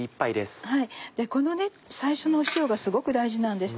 この最初の塩がすごく大事なんです。